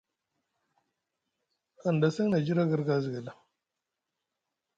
Hanɗa a seŋ zire kirka ziguela.